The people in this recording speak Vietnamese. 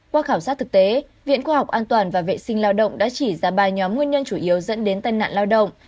qua khảo sát thực tế viện khoa học an toàn và vệ sinh lao động đã chỉ ra ba nhóm nguyên nhân chủ yếu dẫn đến tai nạn lao động